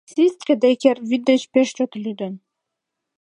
Ситске Деккер вӱд деч пеш чот лӱдын.